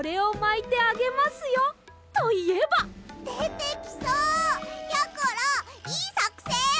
てきそう！やころいいさくせん！